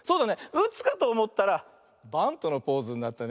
うつかとおもったらバントのポーズになったね。